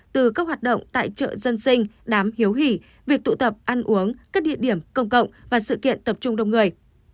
từ các hoạt động tại chợ dân sinh đám hiếu hỉ việc tụ tập ăn uống các địa điểm công cộng và sự kiện tập trung đông người